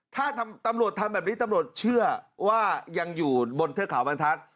ถ้าตำรวจทำแบบนี้ตำรวจเชื่อว่ายังอยู่บนเทือกเขาบรรทัศน์